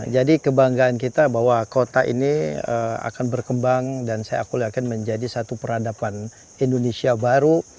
jadi kebanggaan kita bahwa kota ini akan berkembang dan saya aku yakin menjadi satu peradaban indonesia baru